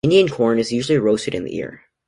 Indian corn is usually roasted in the ear.